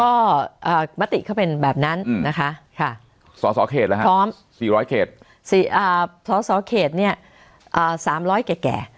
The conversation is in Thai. ก็ปฏิเขาเป็นแบบนั้นนะคะสสเขตสสเขต๓๐๐แก่